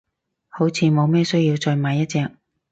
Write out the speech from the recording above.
好似冇咩需要再買一隻，